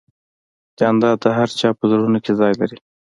جانداد د هر چا په زړونو کې ځای لري.